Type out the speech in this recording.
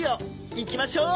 いきましょう！